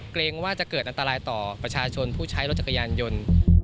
เกรงว่าจะเกิดอันตรายต่อประชาชนผู้ใช้รถจักรยานยนต์